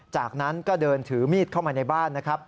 จากนั้นก็เดินถือมีดเข้ามาในบ้านนะครับ